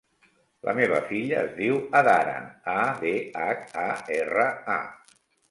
La meva filla es diu Adhara: a, de, hac, a, erra, a.